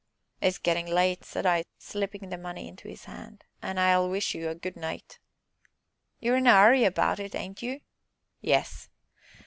"It's getting late," said I, slipping the money into his hand, "and I'll wish you good night!" "You're in a 'urry about it, ain't you?" "Yes."